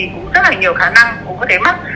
có rất nhiều khả năng có thể mắc